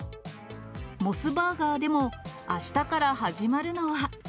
モスバーガーでもあしたから始まるのは。